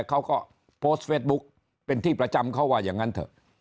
เขาก็โพสต์เฟสบุ๊คเป็นที่ประจำเขาว่าอย่างนั้นเถอะ